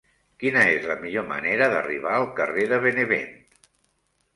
Quina és la millor manera d'arribar al carrer de Benevent?